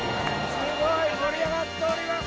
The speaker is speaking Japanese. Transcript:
スゴい盛り上がっております！